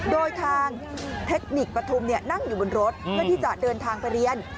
โดยทางเทคนิคปฐุมนั่งอยู่บนรถเพื่อที่จะเดินทางไปเรียน